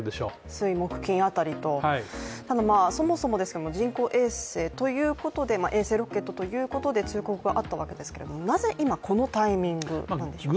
水・木・金辺りと、そもそも人工衛星ということで衛星ロケットということで通告があったわけですけどこのタイミングなんでしょうか？